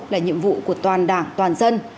là nhiệm vụ của toàn đảng toàn dân